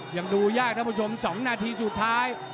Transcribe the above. ยังดูยากท่านผู้ชม๒นาทีสุดท้าย